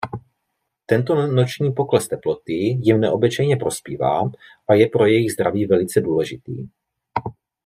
Tento noční pokles teploty jim neobyčejně prospívá a je pro jejich zdraví velice důležitý.